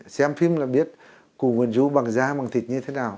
xem phim là biết của nguyễn du bằng da bằng thịt như thế nào